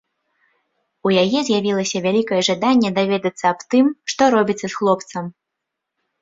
У яе з'явілася вялікае жаданне даведацца аб тым, што робіцца з хлопцам.